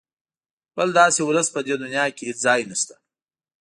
بل داسې ولس په دې دونیا کې هېڅ ځای نشته.